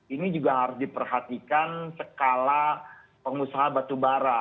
ini juga harus diperhatikan skala pengusaha batu bara